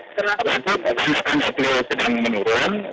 waktu pak tim delio sedang menurun